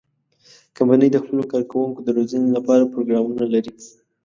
کمپنۍ د خپلو کارکوونکو د روزنې لپاره پروګرامونه لري.